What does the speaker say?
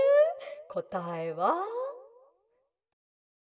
こたえは」。